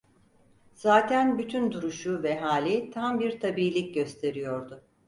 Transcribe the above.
Zaten bütün duruşu ve hali tam bir tabiilik gösteriyordu.